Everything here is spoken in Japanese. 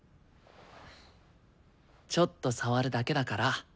ちょっと触るだけだから。